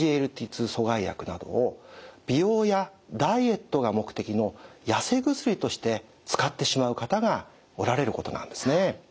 ２阻害薬などを美容やダイエットが目的のやせ薬として使ってしまう方がおられることなんですね。